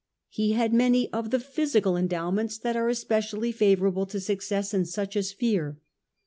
He had many of the physical endowments that are especially favourable to success in such a sphere.